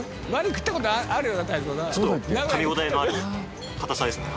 ちょっとかみ応えのある硬さですね。